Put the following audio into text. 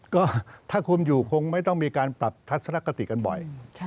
ก็ถ้าคุมอยู่คงไม่ต้องมีการปรับทัศนคติกันบ่อย